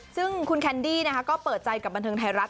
ซึ่งคุณแคนดี้ก็เปิดใจกับบันเทิงไทยรัฐ